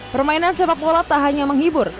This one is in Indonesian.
permainan sepak bola tak hanya menghibur